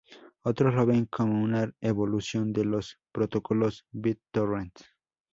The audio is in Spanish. Otros lo ven como una evolución de los protocolos BitTorrent.